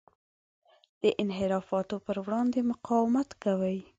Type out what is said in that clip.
د انحرافاتو پر وړاندې مقاومت کوي.